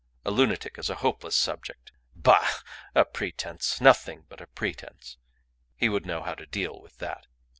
A lunatic is a hopeless subject. Bah! A pretence. Nothing but a pretence. He would know how to deal with that.